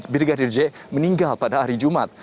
brigadir j meninggal pada hari jumat